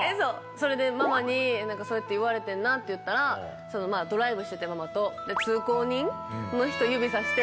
それでママにそうやって言われてんなって言ったらドライブしててママと。